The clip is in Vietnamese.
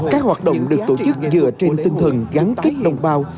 các hoạt động được tổ chức dựa trên tinh thần gắn kết đồng bào